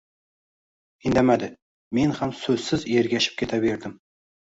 Indamadi. Men ham soʻzsiz ergashib ketaverdim.